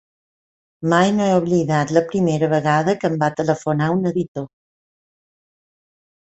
Mai no he oblidat la primera vegada que em va telefonar un editor.